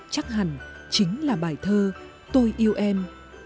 chắc hẳn chính là bài thơ tôi yêu em